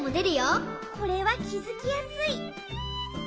これはきづきやすい！